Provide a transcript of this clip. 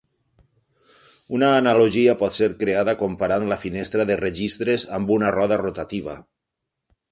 Una analogia pot ser creada comparant la finestra de registres amb una roda rotativa.